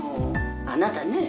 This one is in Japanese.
☎あなたね